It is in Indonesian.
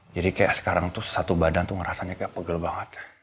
jadi kayak sekarang tuh satu badan tuh ngerasanya kayak pegel banget